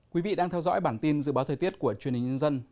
quý vị đang theo dõi bản tin dự báo thời tiết của truyền hình nhân dân